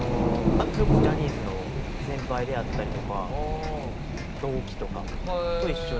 それこそジャニーズの先輩であったりとか同期とかと一緒に。